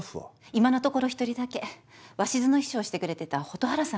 今のところ１人だけ鷲津の秘書をしてくれてた蛍原さんが。